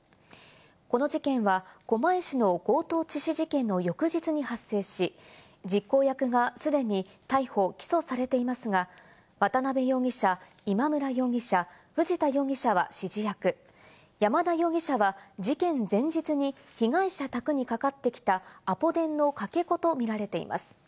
この事件は狛江市の強盗致死事件の翌日に発生し、実行役が既に逮捕・起訴されていますが、渡辺容疑者、今村容疑者、藤田容疑者は指示役、山田容疑者は事件前日に被害者宅にかかってきたアポ電のかけ子と見られています。